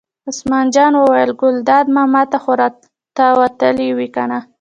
عثمان جان وویل: ګلداد ماما ته خو را وتلې وې کنه.